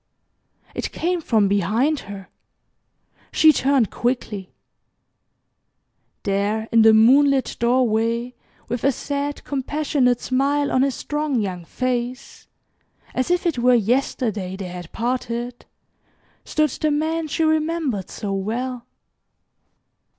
It came from behind her. She turned quickly. There in the moonlit doorway, with a sad, compassionate smile on his strong, young face as if it were yesterday they had parted stood the man she remembered so well.